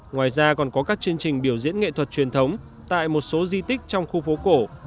ngoài ra còn có các chương trình biểu diễn nghệ thuật truyền thống tại một số di tích trong khu phố cổ